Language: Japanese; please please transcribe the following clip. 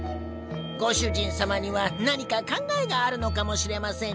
ご主人様には何か考えがあるのかもしれませんニャ。